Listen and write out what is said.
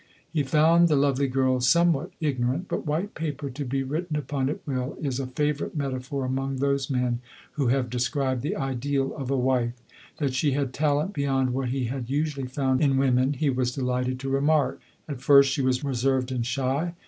He found the lovely girl somewhat ignorant ; but white paper to be written upon at will, is a favourite metaphor among those men who have described the ideal of a wife. That she had talent beyond what he had usually found in wo men, he was delighted to remark. At first she was reserved and shy.